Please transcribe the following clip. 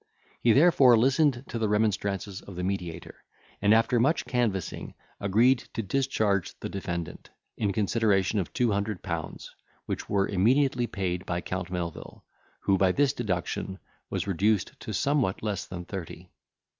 He, therefore, listened to the remonstrances of the mediator, and, after much canvassing, agreed to discharge the defendant, in consideration of two hundred pounds, which were immediately paid by Count Melvil, who, by this deduction, was reduced to somewhat less than thirty.